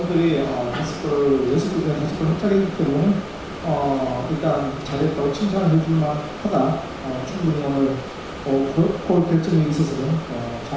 kita akan mencetak gol di liga satu bersama timnas indonesia